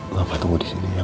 maaf aku tunggu disini ya ma